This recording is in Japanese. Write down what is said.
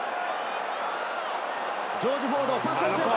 ジョージ・フォード、パスを選択。